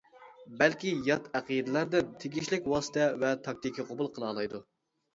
بەلكى يات ئەقىدىلەردىن تېگىشلىك ۋاسىتە ۋە تاكتىكا قوبۇل قىلالايدۇ.